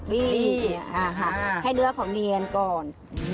บี้ให้เนื้อเขาเนียนก่อน